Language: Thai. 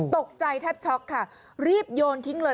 ตกใจแทบช็อกค่ะรีบโยนทิ้งเลย